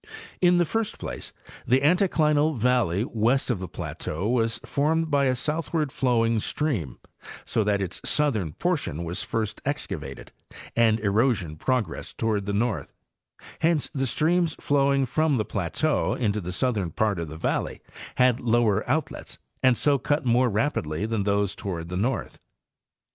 In the first place, the anticlinal valley west of the plateau was formed by a southward flowing stream, so that its southern portion was first excavated and erosion progressed toward the north ; hence the streams flowing from the plateau into the southern part of the valley had lower outlets, and so cut more rapidly than those toward the north.